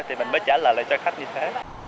thì mình mới trả lời lại cho khách như thế